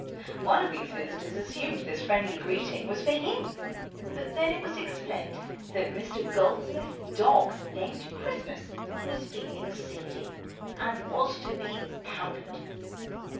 One of these visitors assumed this friendly greeting was for him, but then it was explained that Mr. Goldsmith's dog, named Christmas, was feeling seedy, and was to be pampered.